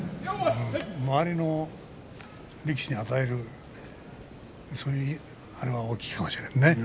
周りの力士に与えるそういう影響は大きいかもしれないね。